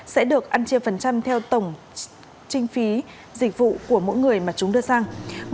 sẽ được ăn chia phần trăm theo tổng trinh phí dịch vụ của mỗi người mà chúng đưa sang